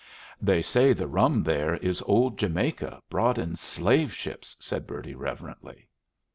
"They say the rum there is old Jamaica brought in slave ships," said Bertie, reverently.